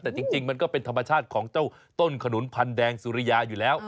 แต่จริงมันก็เป็นธรรมชาติของเจ้าต้นขนุนพันแดงสุริยาอยู่แล้ว